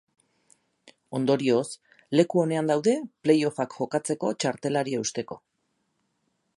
Ondorioz, leku onean daude play off-ak jokatzeko txartelari eusteko.